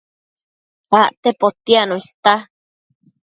Acte potiacno ista